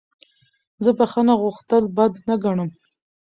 زه بخښنه غوښتل بد نه ګڼم.